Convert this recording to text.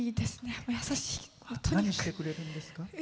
何してくれるんですか？